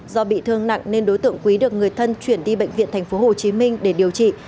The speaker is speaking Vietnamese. do bị thương nặng nên đối tượng quý được người thân chuyển đi bệnh viện tp hcm để điều trị